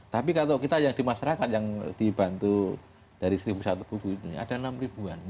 tapi kalau kita yang di masyarakat yang dibantu dari seribu satu buku ini ada enam ribu an